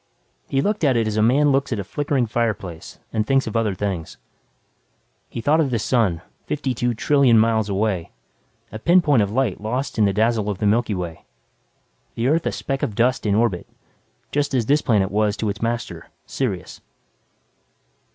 He looked at it as a man looks at a flickering fireplace and thinks of other things. He thought of the sun, 52 trillion miles away, a pinpoint of light lost in the dazzle of the Milky Way the Earth a speck of dust in orbit just as this planet was to its master, Sirius.